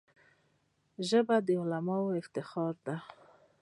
ژبه د عالمانو افتخار دی